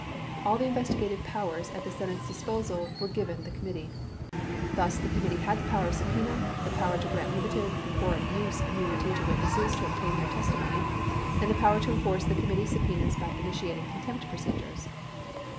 All the investigative powers at the Senate's disposal were given the com mittee. Thus the committee had the power of subpena, the power to grant limited or "use" immunity to witnesses to obtain their testi mony 4 and the power to enforce the committee's subpenas by initiat ing contempt procedures.